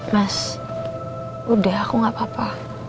mas udah aku gak apa apa